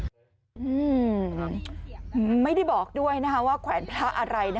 อืมไม่ได้บอกด้วยนะคะว่าแขวนพระอะไร